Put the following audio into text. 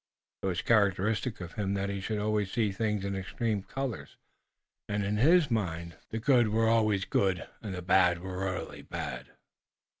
It was characteristic of him that he should always see everything in extreme colors, and in his mind the good were always very good and the bad were very bad.